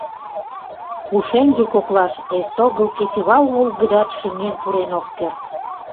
Пушеҥге коклаш эсогыл кечывал волгыдат шыҥен пурен ок керт.